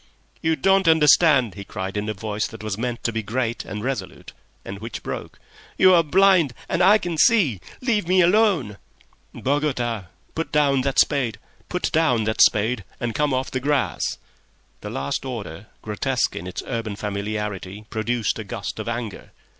"You don't understand," he cried, in a voice that was meant to be great and resolute, and which broke. "You are blind and I can see. Leave me alone!" "Bogota! Put down that spade and come off the grass!" The last order, grotesque in its urban familiarity, produced a gust of anger.